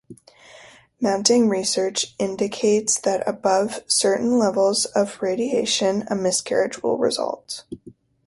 Mounting research indicates that above certain levels of radiation, a miscarriage will result.